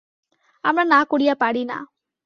আমরা না করিয়া পারি না।